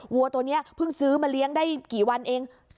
วัวตัวนี้เพิ่งซื้อมาเลี้ยงได้กี่วันเอง